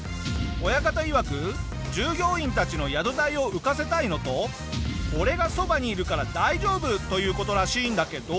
親方いわく従業員たちの宿代を浮かせたいのと俺がそばにいるから大丈夫という事らしいんだけど。